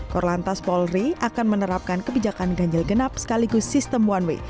korlantas polri akan menerapkan kebijakan ganjil genap sekaligus sistem one way